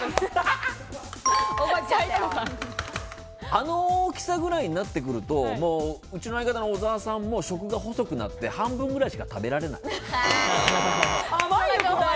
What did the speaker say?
あの大きさくらいになってくると、うちの相方の小沢さんも食が細くなって、半分くらいしか食べられない。